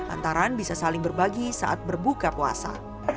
antaran bisa saling berbagi saat berbuka puasa